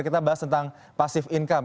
kita bahas tentang pasif income